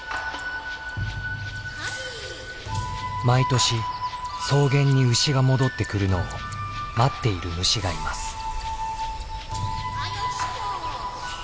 毎年草原に牛が戻ってくるのを待っている虫がいます。